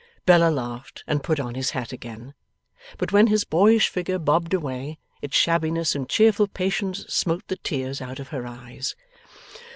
Bella laughed and put on his hat again. But when his boyish figure bobbed away, its shabbiness and cheerful patience smote the tears out of her eyes.